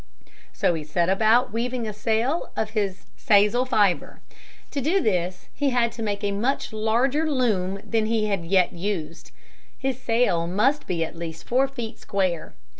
So he set about weaving a sail of his sisal fibre. To do this he had to make a much larger loom than he had yet used. His sail must be at least four feet square.